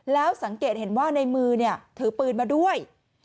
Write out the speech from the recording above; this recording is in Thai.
แล้วสังเกตเห็นว่าในมือถือปืนมาด้วย